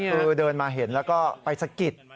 คือเดินมาเห็นแล้วก็ไปสะกิด